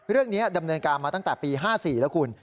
เรื่องนี้ดำเนินการมาตั้งแต่ปี๑๙๕๔แล้วคุณ